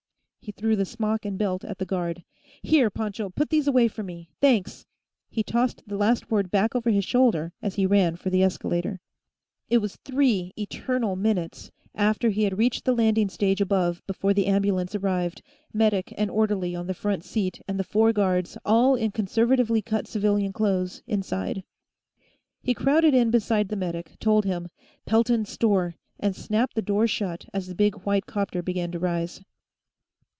He threw the smock and belt at the guard. "Here, Pancho; put these away for me. Thanks." He tossed the last word back over his shoulder as he ran for the escalator. It was three eternal minutes after he had reached the landing stage above before the ambulance arrived, medic and orderly on the front seat and the four guards, all in conservatively cut civilian clothes, inside. He crowded in beside the medic, told him, "Pelton's store," and snapped the door shut as the big white 'copter began to rise.